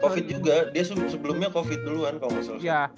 covid juga dia sebelumnya covid duluan kalo gak salah